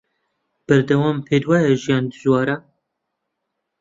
بەردەوام پێت وایە ژیان دژوارە